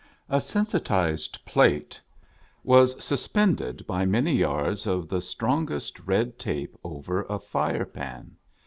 A sensitized plate was suspended by many yards of the strongest red tape over a fire pan.